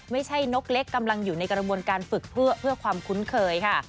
นกเล็กกำลังอยู่ในกระบวนการฝึกเพื่อความคุ้นเคยค่ะ